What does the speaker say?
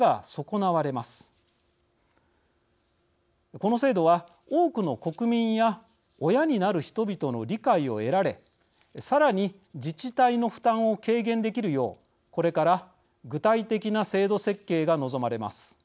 この制度は多くの国民や親になる人々の理解を得られさらに自治体の負担を軽減できるようこれから具体的な制度設計が望まれます。